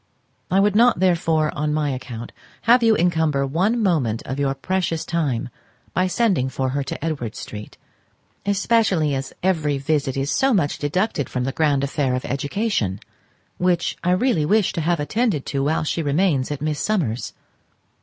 I would not, therefore, on my account, have you encumber one moment of your precious time by sending for her to Edward Street, especially as every visit is so much deducted from the grand affair of education, which I really wish to have attended to while she remains at Miss Summers's.